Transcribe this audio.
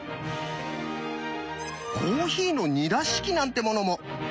コーヒーの煮出し器なんてものも。